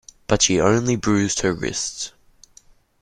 But she only bruised her wrists.